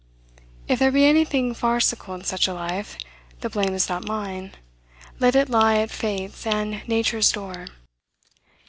If there be anything farcical in such a life, the blame is not mine; let it lie at fate's and nature's door."